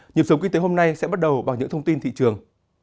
nhịp sống kinh tế hôm nay sẽ bắt đầu bằng những thông tin thị trường